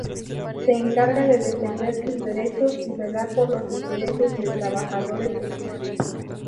Se encarga de defender sus derechos y velar por los intereses de trabajadores sexuales.